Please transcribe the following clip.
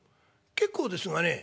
結構ですがね